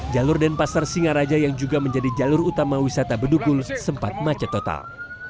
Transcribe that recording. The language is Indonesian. jalur denpasar singaraja yang juga menjadi jalur utama wisata bedugul sempat macet total